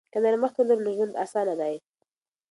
که نرمښت ولرو نو ژوند اسانه دی.